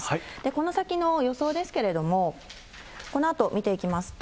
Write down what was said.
この先の予想ですけれども、このあと見ていきますと。